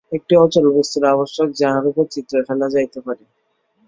একটি অচল বস্তুর আবশ্যক, যাহার উপর চিত্র ফেলা যাইতে পারে।